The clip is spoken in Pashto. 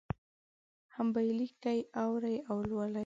هم به یې لیکي، اوري او لولي.